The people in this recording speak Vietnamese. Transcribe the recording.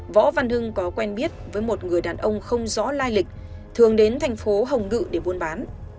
võ văn hưng có quen biết với một người đàn ông không rõ lai lịch thường đến thành phố hồng ngự để buôn bán